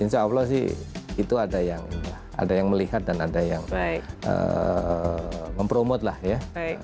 insya allah sih itu ada yang melihat dan ada yang mempromot lah ya